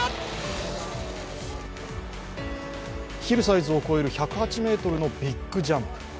ヒルサイズを超える１０８ｍのビッグジャンプ。